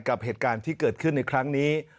กับเหตุการณ์ที่เกิดขึ้นในครั้งนี้